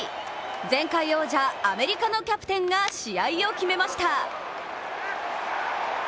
前回王者、アメリカのキャプテンが試合を決めました。